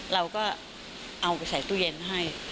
เราก็เอาไปใส่ตู้เย็นให้